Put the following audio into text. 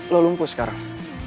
lo lumpuh sekarang